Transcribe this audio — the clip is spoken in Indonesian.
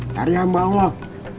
dari hamba allah